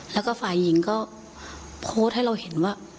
แล้วก็ฝ่ายหญิงก็โพสต์ให้เราเห็นว่า